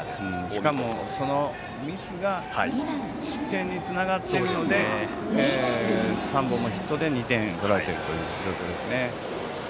しかもミスが失点につながっているので３本のヒットで２点取られている状況ですね。